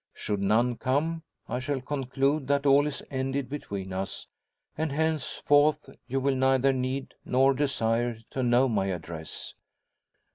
Should none come, I shall conclude that all is ended between us, and henceforth you will neither need, nor desire, to know my address.